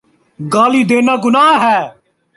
گالی دینا گناہ ہے۔